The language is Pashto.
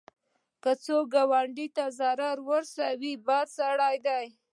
که څوک ګاونډي ته ضرر ورسوي، بد سړی دی